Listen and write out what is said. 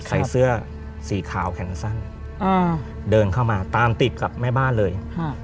ใส่เสื้อสีขาวแขนสั้นเดินเข้ามาตามติดกับแม่บ้านเลย